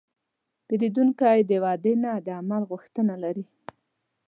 پیرودونکی د وعدې نه، د عمل غوښتنه لري.